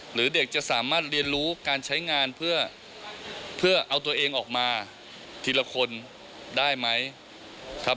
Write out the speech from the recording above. หรือเด็กจะสามารถเรียนรู้การใช้งานเพื่อเอาตัวเองออกมาทีละคนได้ไหมครับ